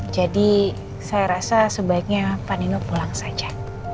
jadi saya rasa sebaiknya panino pulang saja